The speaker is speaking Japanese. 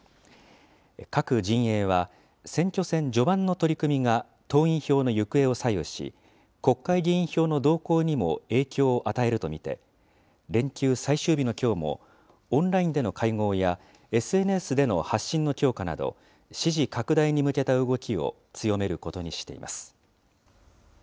各陣営は、選挙戦序盤の取り組みが党員票の行方を左右し、国会議員票の動向にも影響を与えると見て、連休最終日のきょうも、オンラインでの会合やＳＮＳでの発信の強化など、支持拡大に向けた動きを強めることにしています。